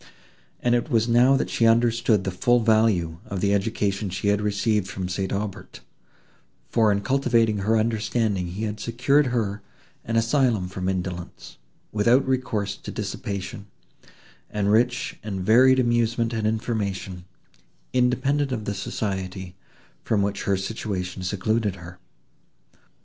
And it was now that she understood the full value of the education she had received from St. Aubert, for in cultivating her understanding he had secured her an asylum from indolence, without recourse to dissipation, and rich and varied amusement and information, independent of the society, from which her situation secluded her.